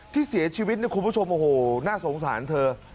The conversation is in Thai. ที่เสียชีวิตเนี่ยคุณผู้ชมโอ้โหน่าสงสารเธอ